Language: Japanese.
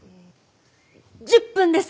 １０分です。